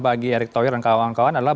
bagi erick thohir dan kawan kawan adalah